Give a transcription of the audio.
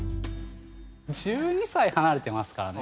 １２歳離れてますからね。